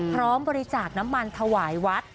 พร้อมบริจาคน้ำมันถวายวัด